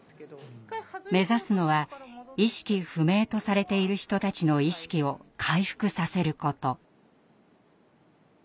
目指すのは「意識不明」とされている人たちの意識を回復させること。